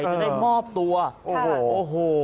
จะได้มอบตัวโอ้โห